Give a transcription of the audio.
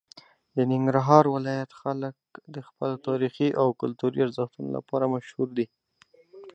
د ننګرهار ولایت خلک د خپلو تاریخي او کلتوري ارزښتونو لپاره مشهور دي.